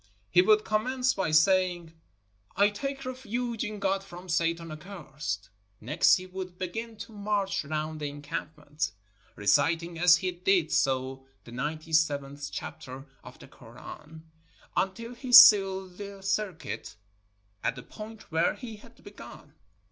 He would commence by saying, "I take refuge in God from Satan accursed." Next he would begin to march round the encampment, reciting as he did so the ninety seventh chapter of the Koran, until he sealed the circuit at the point where he had begun.